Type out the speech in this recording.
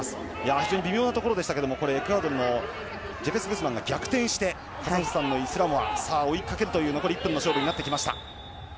非常に微妙なところでしたがエクアドルのジェペス・グスマンが逆転してイスラモアが追いかけるという残り１分の勝負になりました。